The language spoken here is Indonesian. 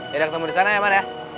kita ketemu disana ya man ya